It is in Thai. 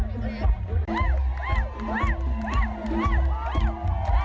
ว้าวว้าวว้าวว้าว